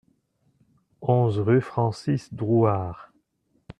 onze rue Francis Drouhard